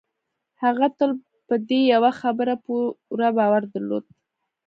هغه تل په دې يوه خبره پوره باور درلود.